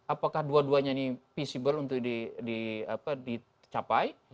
apakah dua duanya ini visible untuk dicapai